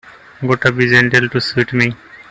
Gotta be gentle to suit me.